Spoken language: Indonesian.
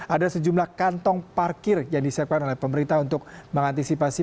ada sejumlah kantong parkir yang disiapkan oleh pemerintah untuk mengantisipasi